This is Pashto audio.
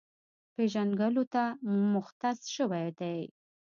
پېژنګلو ته مختص شوی دی،